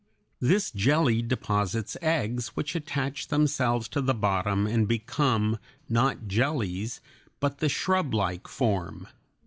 This jelly deposits eggs which attach themselves to the bottom and become not jellies but the shrublike form.